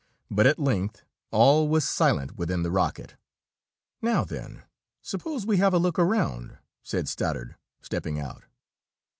But at length, all was silent within the rocket. "Now, then, suppose we have a look around," said Stoddard, stepping out.